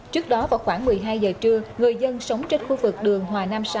trước đó vào khoảng một mươi hai giờ trưa người dân sống trên khu vực đường hòa nam sáu